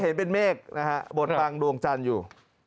ก็เห็นเป็นเมฆบนปังดวงจันทร์อยู่